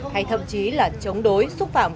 hay thậm chí là chống đối xúc phạm